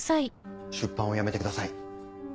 出版をやめてください